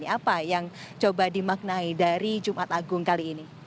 apa yang coba dimaknai dari jumat agung kali ini